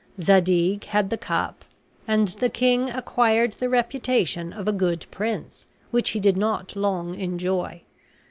Zadig had the cup, and the king acquired the reputation of a good prince, which he did not long enjoy.